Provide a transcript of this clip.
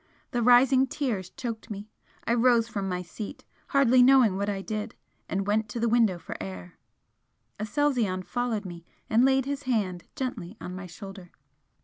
The rising tears choked me I rose from my seat, hardly knowing what I did, and went to the window for air Aselzion followed me and laid his hand gently on my shoulder.